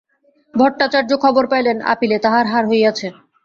ভট্টাচার্য খবর পাইলেন, আপিলে তাঁহার হার হইয়াছে।